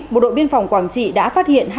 bộ đội biên phòng quảng trị đã phát hiện